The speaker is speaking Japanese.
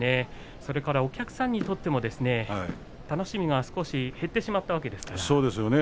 お客さんにとっても楽しみが少し減ってしまったわけですからね。